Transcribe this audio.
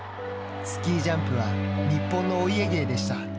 スキージャンプは日本のお家芸でした。